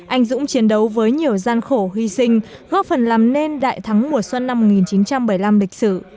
anh dũng chiến đấu với nhiều gian khổ hy sinh góp phần làm nên đại thắng mùa xuân năm một nghìn chín trăm bảy mươi năm lịch sử